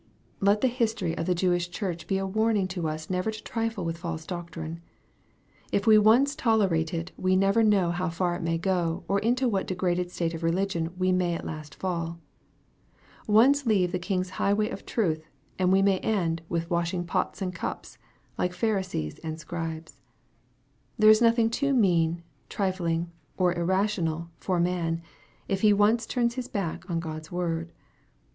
Let the history of the Jewish church be a warning to us never to trifle with false doctrine. If we once tolerate it we never know how far it may go, or into what de graded state of religion we may at last fall. Once leave the King's highway of truth, and we may end with wash ing pots and cups, like Pharisees and Scribes. There is nothing too mean, trifling, or irrational for a man, if he once turns his back on God's word.